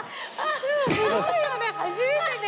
すごいよね初めてで。